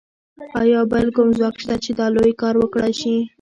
ایا بل کوم ځواک شته چې دا لوی کار وکړای شي